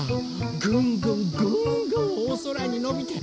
ぐんぐんぐんぐんおそらにのびてかっこいい！